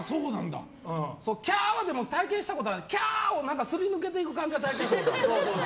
キャー！は体験したことないけどキャー！をすり抜けていく感じは体験してる。